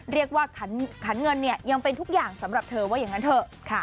ขันเงินเนี่ยยังเป็นทุกอย่างสำหรับเธอว่าอย่างนั้นเถอะ